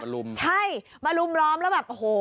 ใช่มาลุมล้อมแล้วแบบโอ้โห